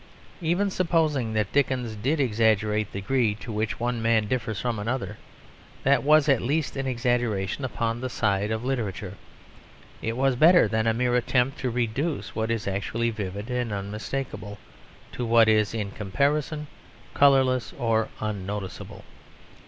Even supposing that Dickens did exaggerate the degree to which one man differs from another that was at least an exaggeration upon the side of literature; it was better than a mere attempt to reduce what is actually vivid and unmistakable to what is in comparison colourless or unnoticeable.